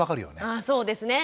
あそうですね。